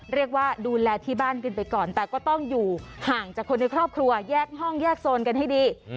เรียกว่าดูแลที่บ้านกันไปก่อนแต่ก็ต้องอยู่ห่างจากคนในครอบครัวแยกห้องแยกโซนกันให้ดี